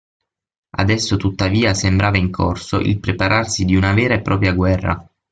Adesso tuttavia sembrava in corso il prepararsi di una vera e propria guerra.